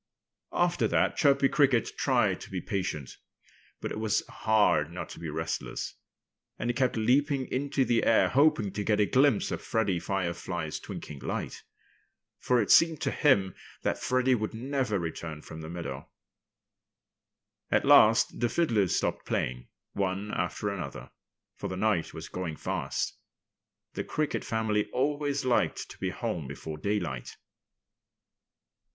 After that Chirpy Cricket tried to be patient. But it was hard not to be restless. And he kept leaping into the air, hoping to get a glimpse of Freddie Firefly's twinkling light. For it seemed to him that Freddie would never return from the meadow. At last the fiddlers stopped playing, one after another; for the night was going fast. The Cricket family always liked to be home before daylight.